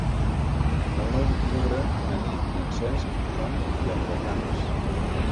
El nou d'octubre na Nit i en Cesc van a Llardecans.